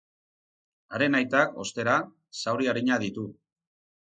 Haren aitak, ostera, zauri arinak ditu.